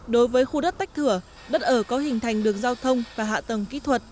đối với khu đất tách thửa đất ở có hình thành được giao thông và hạ tầng kỹ thuật